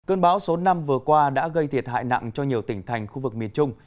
cơn bão số năm vừa qua đã gây thiệt hại nặng cho nhiều tỉnh thành khu vực miền trung